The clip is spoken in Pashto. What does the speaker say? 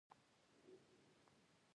غالۍ له لرګیو یا سمنټو ښه آرام دي.